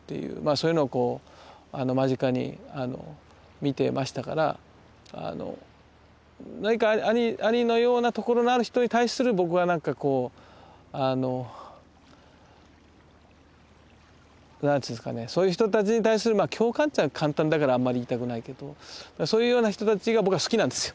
そういうのを間近に見てましたから何か兄のようなところのある人に対する僕はなんかこうあの何つうんですかねそういう人たちに対するまあ「共感」ってのは簡単だからあんまり言いたくないけどそういうような人たちが僕は好きなんですよ。